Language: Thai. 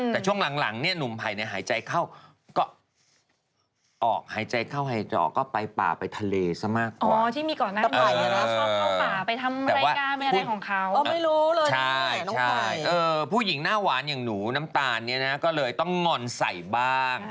แต่ช่วงหลังนี่หนุ่มไพเนี่ยหายใจเข้า